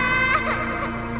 sampai yelling dini lagi